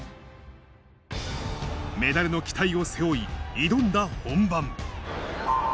メダルの期待を背負い、挑んだ本番。